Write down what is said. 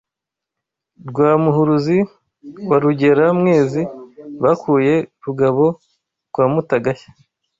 Rwa Muhuruzi wa Rugera-mwezi Bakuye Rugabo kwa Mutagashya